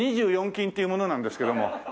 ２４金っていう者なんですけども。